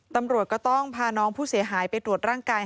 ตำรวจก็ต้องพาน้องผู้เสียหายไปตรวจร่างกาย